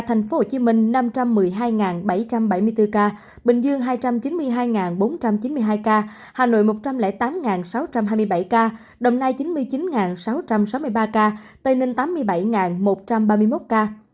tp hcm năm trăm một mươi hai bảy trăm bảy mươi bốn ca bình dương hai trăm chín mươi hai bốn trăm chín mươi hai ca hà nội một trăm linh tám sáu trăm hai mươi bảy ca đồng nai chín mươi chín sáu trăm sáu mươi ba ca tây ninh tám mươi bảy một trăm ba mươi một ca